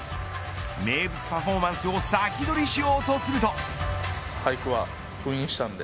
名物パフォーマンスを先取りしようとすると。